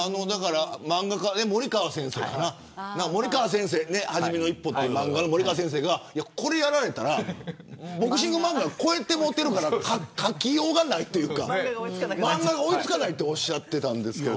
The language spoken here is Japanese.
漫画家、森川先生はじめの一歩という漫画のこれやられたらボクシング漫画超えてもうてるから描きようがないというか漫画が追いつかないとおっしゃっていたんです。